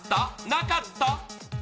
なかった？